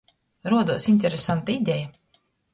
Roduos interesanta ideja.